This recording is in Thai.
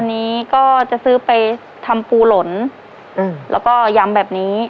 อันนี้ก็จะซื้อไปทำปูหล่นแล้วก็ย้ำแบบนี้